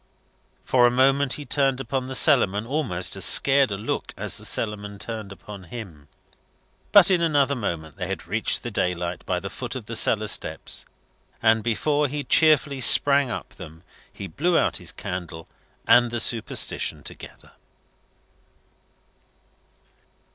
For a moment he turned upon the Cellarman almost as scared a look as the Cellarman turned upon him. But in another moment they had reached the daylight at the foot of the cellar steps, and before he cheerfully sprang up them, he blew out his candle and the superstition together.